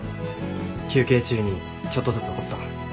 休憩中にちょっとずつ彫った。